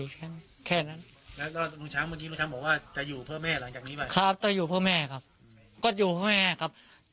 คือเพราะ